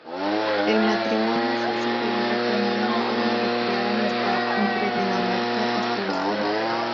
El matrimonio fue sugerido como una forma de crear amistad entre Dinamarca y Suecia.